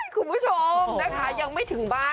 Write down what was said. คุณผู้ชมนะคะยังไม่ถึงบ้าน